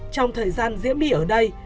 trong thời gian diễm my ở đây